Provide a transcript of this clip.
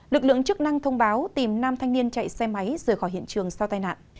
lực lượng chức năng thông báo tìm nam thanh niên chạy xe máy rời khỏi hiện trường sau tai nạn